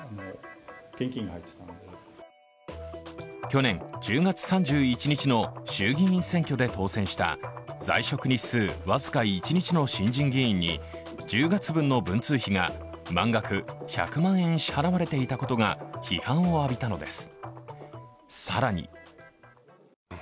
去年１０月３１日の衆議院選挙で当選した在職日数僅か１日の新人議員に１０月分の文通費が満額１００万円支払われていたことが批判を浴びたのです。